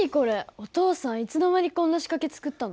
お父さんいつの間にこんな仕掛け作ったの？